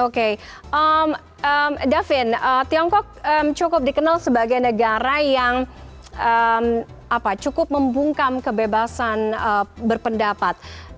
oke davin tiongkok cukup dikenal sebagai negara yang cukup membungkam kebebasan berpendapat